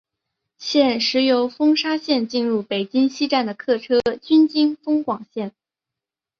现时由丰沙线进入北京西站的客车均经丰广线。